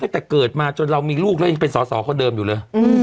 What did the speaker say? ตั้งแต่เกิดมาจนเรามีลูกแล้วยังเป็นสอสอคนเดิมอยู่เลย